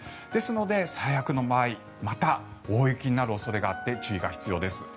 ですので最悪の場合また大雪になる恐れがあって注意が必要です。